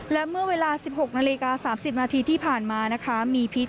และเมื่อเวลา๑๖น๓๐นที่ผ่านมานะคะ